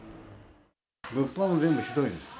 物販も全部ひどいです。